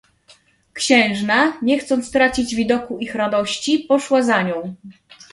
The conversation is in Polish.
"Księżna, nie chcąc tracić widoku ich radości, poszła za nią."